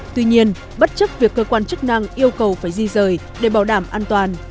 tuy nhiên bất chấp việc cơ quan chức năng yêu cầu phải di rời để bảo đảm an toàn